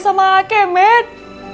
sama ake med